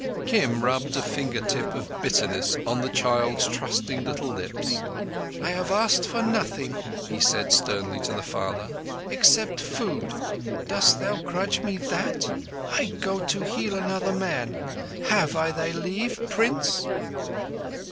Kim rubbed a finger tip of bitterness on the child's trusting little lips. "I have asked for nothing," he said sternly to the father, "except food. Dost thou grudge me that? I go to heal another man. Have I thy leave—Prince?"